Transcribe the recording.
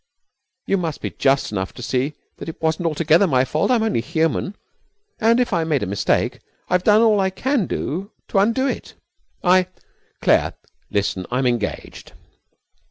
You must be just enough to see that it wasn't altogether my fault. I'm only human. And if I made a mistake I've done all I can do to undo it. I ' 'Claire, listen: I'm engaged!'